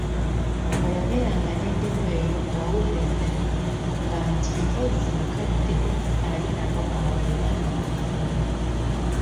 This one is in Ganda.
Bwe yabeeranga n'endeku eyo ng'awulirira ddala nga nti mpozzi bakadde be ali nabo awo era nga bamukuuma.